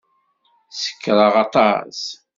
Sekṛeɣ aṭas.